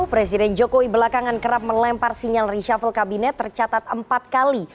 presiden jokowi belakangan kerap melempar sinyal reshuffle kabinet tercatat empat kali